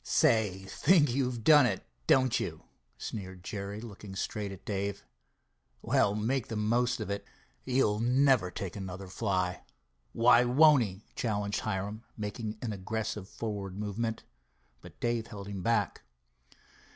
"Say, think you've done it, don't you?" sneered Jerry, looking straight at Dave. "Well, make the most of it. You'll never take another fly." "Why won't he?" challenged Hiram, making an aggressive forward movement. But Dave held him back.